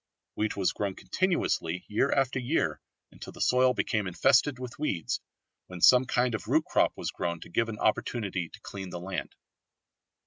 Wheat was grown continuously year after year until the soil became infested with weeds, when some kind of root crop was grown to give an opportunity to clean the land.